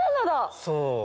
そう。